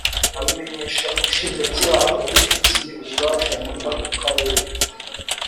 abimenyesha umushinjacyaha ubifitiye ububasha muri ako karere.